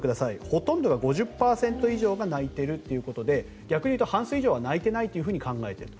ほとんど５０％以上が鳴いているということで逆に言うと半数以上は鳴いていないと考えている。